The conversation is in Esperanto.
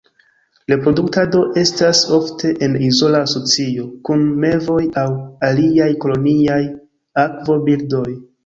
Reproduktado estas ofte en izola asocio kun mevoj aŭ aliaj koloniaj akvo birdoj.